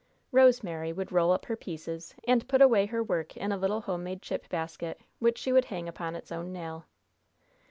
Rosemary would roll up her "pieces," and put away her work in a little homemade chip basket, which she would hang upon its own nail.